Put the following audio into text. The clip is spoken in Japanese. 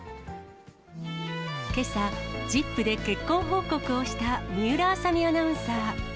けさ、ＺＩＰ！で結婚報告をした水卜麻美アナウンサー。